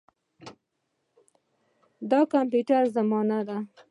د کمپیوټر زمانه ده.